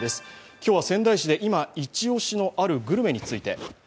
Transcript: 今日は仙台市で今、イチ押しのあるグルメについて。